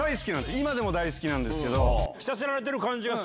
今でも大好きなんですけど。